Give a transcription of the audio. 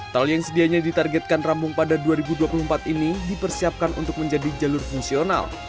tol yang sedianya ditargetkan rampung pada dua ribu dua puluh empat ini dipersiapkan untuk menjadi jalur fungsional